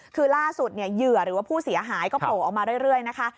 คือล่าสุดเหยื่อหรือว่าผู้เสียหายก็โผล่ออกมาเรื่อยนะคะ